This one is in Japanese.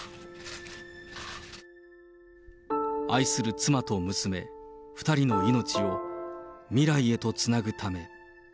愛する妻と娘、２人の命を、未来へとつなぐため。